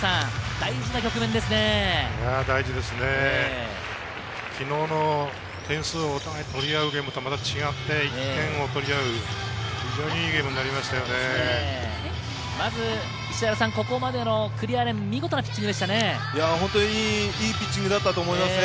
大事な局面ですね。